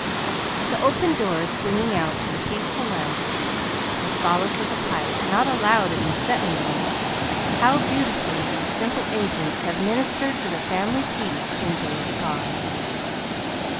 The open doors swinging out to the peaceful landscape, the solace of the pipe, not allowed in the "settin' room" how beautifully these simple agents have ministered to the family peace in days agone!